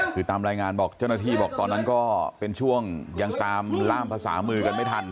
คือตามรายงานบอกเจ้าหน้าที่บอกตอนนั้นก็เป็นช่วงยังตามล่ามภาษามือกันไม่ทัน